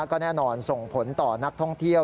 ก็แน่นอนส่งผลต่อนักท่องเที่ยว